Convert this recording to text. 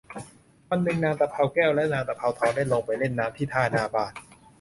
วันหนึ่งนางตะเภาแก้วและนางตะเภาทองได้ลงไปเล่นน้ำที่ท่าหน้าบ้าน